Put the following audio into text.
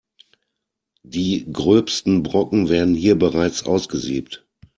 Die gröbsten Brocken werden hier bereits ausgesiebt.